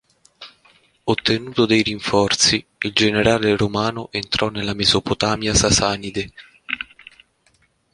Ottenuto dei rinforzi, il generale romano entrò nella Mesopotamia sasanide.